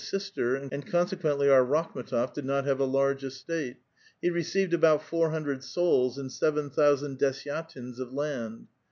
274 A VITAL QUESTION, Bister, and consequently our Rakhm^tof did not have a large estate ; he leceived about four hundred souls, and seven thou sand desyatlns of land.